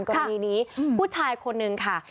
กรณีนี้ผู้ชายคนนึงค่ะ